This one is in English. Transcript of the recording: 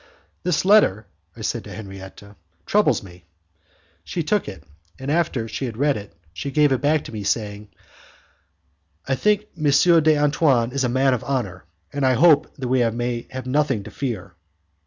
"This letter," I said to Henriette, "troubles me." She took it, and after she had read it she gave it back to me, saying, "I think M. d'Antoine is a man of honour, and I hope that we may have nothing to fear."